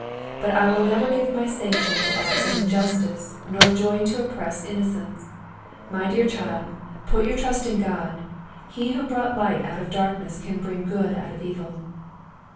But I will never give my sanction to acts of injustice, nor join to oppress innocence. My dear child, put your trust in God: He who brought light out of darkness, can bring good out of evil."